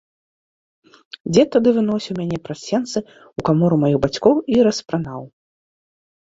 Дзед тады выносіў мяне праз сенцы ў камору маіх бацькоў і распранаў.